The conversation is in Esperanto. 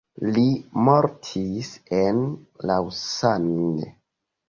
Li mortis en Lausanne.